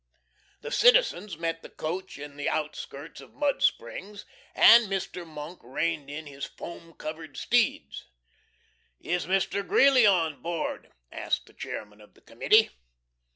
The citizens met the coach in the outskirts of Mud Springs, and Mr. Monk reined in his foam covered steeds. "Is Mr. Greeley on board?" asked the chairman of the committee.